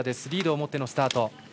リードを持ってのスタート。